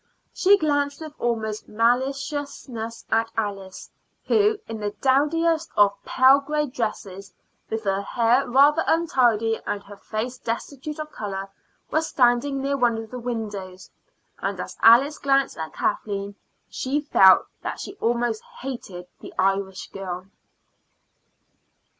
She glanced with almost maliciousness at Alice, who, in the dowdiest of pale gray dresses, with her hair rather untidy and her face destitute of color, was standing near one of the windows. And as Alice glanced at Kathleen she felt that she almost hated the Irish girl.